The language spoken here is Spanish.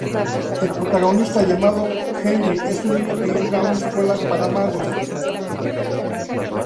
El protagonista, llamado Henry es un niño que entra a una escuela para magos.